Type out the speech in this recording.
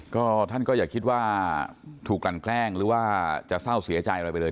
ก็ท่านก็อย่าคิดว่าถูกกลั่นแกล้งหรือว่าจะเศร้าเสียใจอะไรไปเลย